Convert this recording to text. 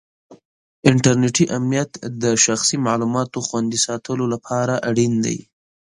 انټرنېټي امنیت د شخصي معلوماتو خوندي ساتلو لپاره اړین دی.